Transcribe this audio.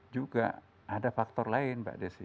juga ada faktor lain mbak desi